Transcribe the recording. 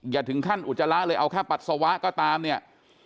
อย่าถึงขั้นอุจจาระเลยเอาแค่ปัสสาวะก็ตามเนี่ย